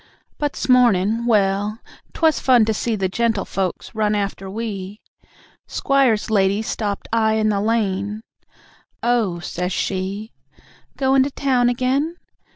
But 'smornin', well, 'twas fun to see The gentlefolks run after we. Squire's lady stopped I in the lane, "Oh," says she, "goin' to town again?